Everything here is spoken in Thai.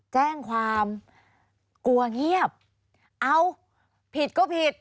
แจ้งความกลัวเงียบเอาผิดก็ผิด